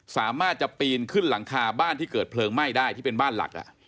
สามารถจะปีนขึ้นหลังคาบ้านที่เกิดเพลิงไหม้ได้ที่เป็นบ้านหลัก